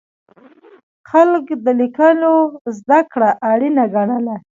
خلک د لیکلو زده کړه اړینه ګڼله.